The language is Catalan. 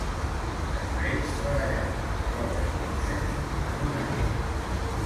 Després treballà amb Robert Bunsen durant un any.